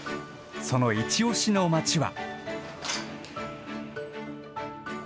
そのいちオシの街は。